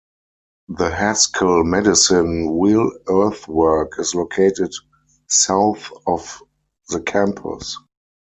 The Haskell Medicine Wheel Earthwork is located south of the campus.